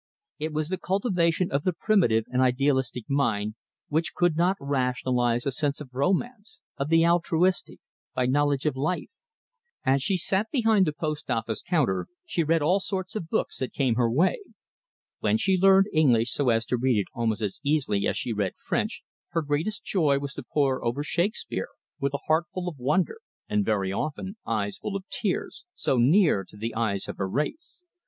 It was the cultivation of the primitive and idealistic mind, which could not rationalise a sense of romance, of the altruistic, by knowledge of life. As she sat behind the post office counter she read all sorts of books that came her way. When she learned English so as to read it almost as easily as she read French, her greatest joy was to pore over Shakespeare, with a heart full of wonder, and, very often, eyes full of tears so near to the eyes of her race.